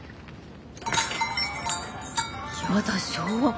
やだ昭和！